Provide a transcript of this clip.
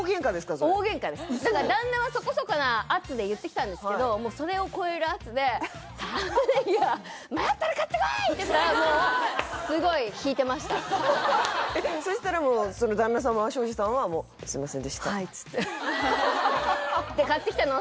それ大ゲンカですだから旦那はそこそこな圧で言ってきたんですけどもうそれを超える圧で「玉ねぎは迷ったら買ってこい！」って言ったらもうすごい引いてましたそしたらもう旦那様は庄司さんは「すいませんでした」